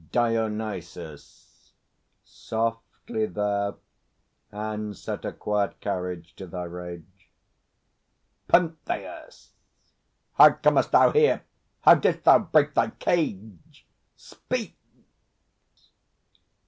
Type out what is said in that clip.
_ DIONYSUS. Softly thou! And set a quiet carriage to thy rage. PENTHEUS. How comest thou here? How didst thou break thy cage? Speak!